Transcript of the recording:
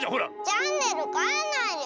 チャンネルかえないでよ。